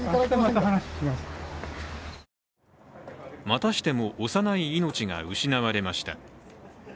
またしても、幼い命が失われました。